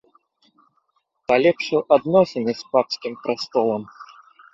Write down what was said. Палепшыў адносіны з папскім прастолам.